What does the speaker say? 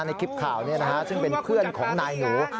ในคลิปข่าวซึ่งเป็นเพื่อนของนายหนู